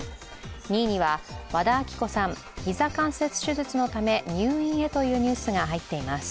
２位には、和田アキ子さん、膝関節手術のため入院へというニュースが入っています。